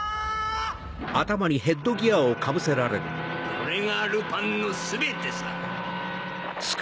これがルパンの全てさ。